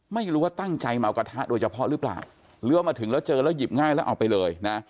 ไม่รู้ว่าตั้งใจมาเอากระทะโดยเฉพาะหรือเปล่าหรือว่ามาถึงแล้วเจอแล้วหยิบง่ายแล้วเอาไปเลยนะ